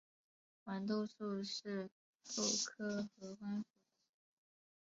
黄豆树是豆科合欢属的植物。